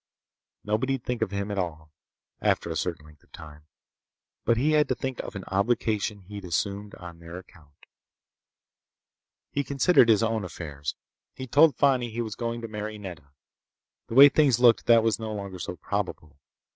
Nobody'd think of him at all, after a certain length of time. But he had to think of an obligation he'd assumed on their account. He considered his own affairs. He'd told Fani he was going to marry Nedda. The way things looked, that was no longer so probable.